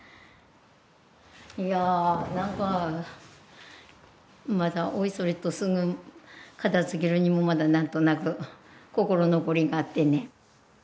いやあなんかまたおいそれとすぐ片付けるにもまだなんとなく心残りがあってね。